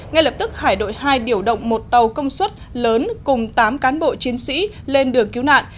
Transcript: ngay lập tức hải đội hai điều động một tàu công suất lớn cùng tám cán bộ chiến sĩ lên đường cứu nạn